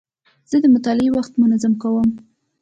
زه د مطالعې وخت منظم کوم.